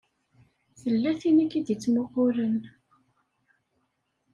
Tella tin i k-id-ittmuqqulen.